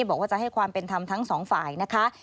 บอกว่าจะให้ความเป็นธรรมทั้งสองฝ่ายนะคะ